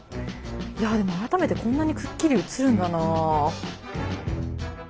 いやでも改めてこんなにくっきり映るんだなあ。